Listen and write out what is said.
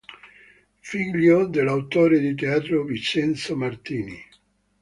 Figlio dell'autore di teatro Vincenzo Martini.